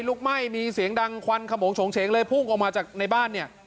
ลุกไหม้มีเสียงดังควันขมงโฉงเฉงเลยพุ่งออกมาจากในบ้านเนี่ย